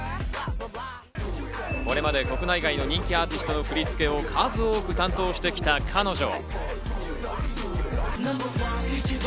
これまで国内外の人気アーティストの振り付けを数多く担当してきた彼女。